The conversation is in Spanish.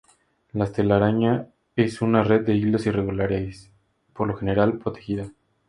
La telaraña es una red de hilos irregulares, por lo general protegida.